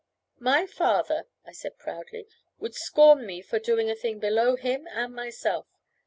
"My father," I said, proudly, "would scorn me for doing a thing below him and myself.